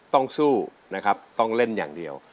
ต้องสู้นะครับต้องเล่นอย่างเดียว